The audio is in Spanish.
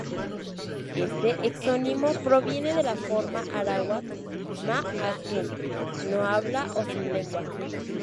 Este exónimo proviene de la forma arawak "ma-áku" 'no habla' o 'sin lengua'.